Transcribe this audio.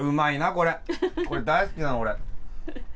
これ大好きなの俺。